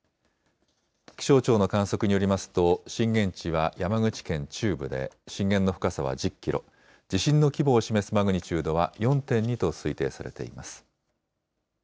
気象庁の観測によりますと、震源地は山口県中部で、震源の深さは１０キロ、地震の規模を示すマグニチュードは４．２と推定されています。